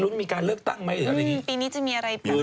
ที่ไหนที่ไหน